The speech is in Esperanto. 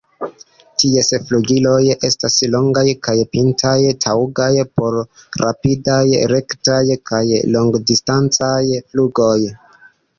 Ties flugiloj estas longaj kaj pintaj, taŭgaj por rapidaj, rektaj kaj longdistancaj flugoj.